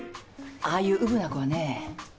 ああいううぶな子はね